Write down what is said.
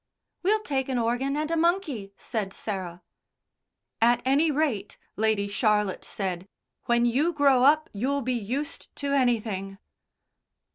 "We'll take an organ and a monkey," said Sarah. "At any rate," Lady Charlotte said, "when you grow up you'll be used to anything."